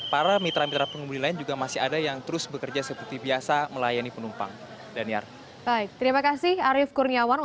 para mitra mitra pengemudi lain juga masih ada yang terus bekerja seperti biasa melayani penumpang